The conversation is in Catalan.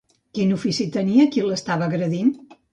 Quin ofici tenia qui l'estava agredint?